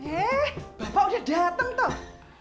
eh bapak udah dateng toh